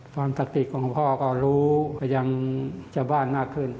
ความตรรากษีของพ่อก็รู้อย่างเชื้อบ้านมากขึ้น